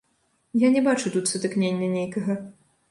Я не бачу тут сутыкнення нейкага.